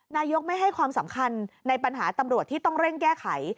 นายกไม่ให้ความสำคัญในปัญหาตำรวจที่ต้องเร่งแก้ไข